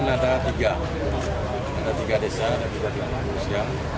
ada tiga desa ada tiga kemuliaan